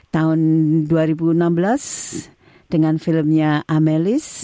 tahun dua ribu enam belas dengan filmnya amelis